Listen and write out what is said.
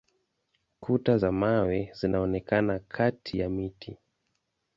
Kuta za mawe zinaonekana kati ya miti.